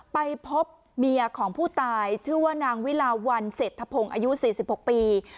ไปพบเมียของผู้ตายชื่อว่านางวิลาวันเศรษฐพงศ์อายุ๔๖ปี